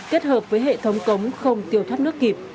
kết hợp với hệ thống cống không tiêu thoát nước kịp